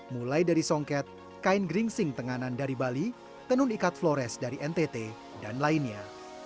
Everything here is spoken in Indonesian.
mulai dari songket kain geringsing tenganan dari bali tenun ikat flores dari ntt dan lainnya